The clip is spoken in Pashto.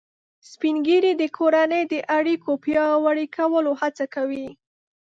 سپین ږیری د کورنۍ د اړیکو پیاوړي کولو هڅه کوي